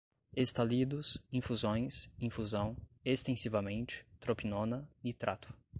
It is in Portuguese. estalidos, infusões, infusão, extensivamente, tropinona, nitrato